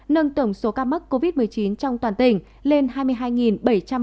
nâng tổng số ca mắc covid một mươi chín trong toàn tỉnh lên hai mươi hai bảy trăm ba mươi ca